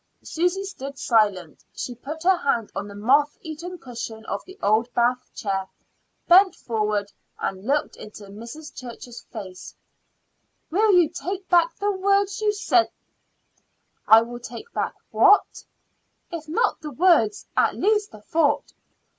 Susy stood silent. She put her hand on the moth eaten cushion of the old bath chair, bent forward, and looked into Mrs. Church's face. "Will you take back the words you said?" "Will I take back what?" "If not the words, at least the thought?